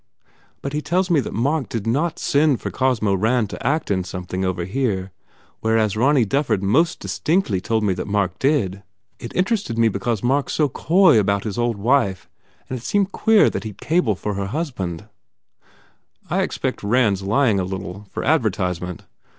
But he tells me that Mark did not send for Cosmo Rand to act in something over here whereas Ronny Dufford most distinctly told me that Mark did. It interested me because 178 TODGERS INTRUDES Mark s so coy about his old wife and it seemed queer that he d cable for her husband. 1 "I expect Rand s lying a little, for advertise ment.